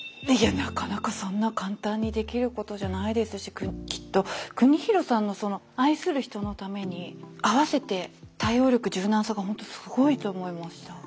なかなかそんな簡単にできることじゃないですしきっと邦博さんの愛する人のために合わせて対応力柔軟さがほんとすごいと思いました。